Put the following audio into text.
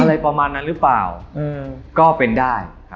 อะไรประมาณนั้นหรือเปล่าก็เป็นได้